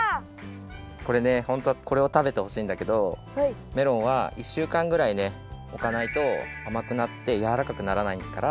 これねホントはこれを食べてほしいんだけどメロンは１週間ぐらいねおかないとあまくなってやわらかくならないから。